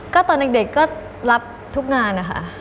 ก็ตอนเด็กรับทุกงาน